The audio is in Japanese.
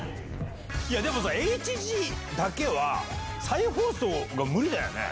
でもさ、ＨＧだけは、再放送が無理だよね。